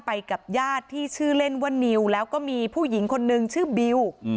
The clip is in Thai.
กับญาติที่ชื่อเล่นว่านิวแล้วก็มีผู้หญิงคนนึงชื่อบิว